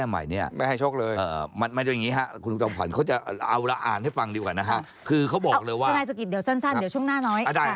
ไม่ให้ชกเลย